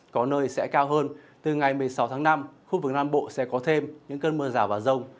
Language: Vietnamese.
có nơi sẽ cao hơn từ ngày một mươi sáu tháng năm khu vực nam bộ sẽ có thêm những cơn mưa rào và rông